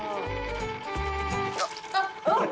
あっ！